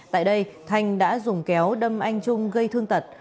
tại đây thanh đã dùng kéo đâm anh trung gây thương tật